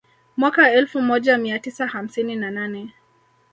Mwaka elfu moja mia tisa hamsini na nane